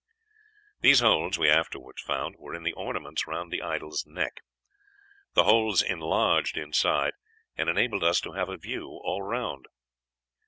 These holes, we afterwards found, were in the ornaments round the idol's neck. The holes enlarged inside, and enabled us to have a view all round.